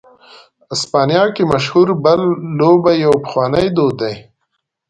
اسپانیا کې مشهوره "بل" لوبه یو پخوانی دود دی.